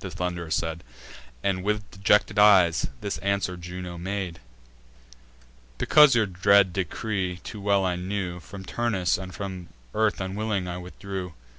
The Thund'rer said; And, with dejected eyes, this answer Juno made: "Because your dread decree too well I knew, From Turnus and from earth unwilling I withdrew.